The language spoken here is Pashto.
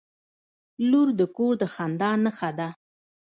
• لور د کور د خندا نښه ده.